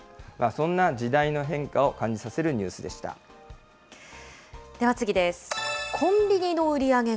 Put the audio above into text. そんな時代の変化を感じさせるニでは次です。